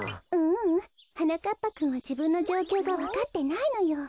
ううんはなかっぱくんはじぶんのじょうきょうがわかってないのよ。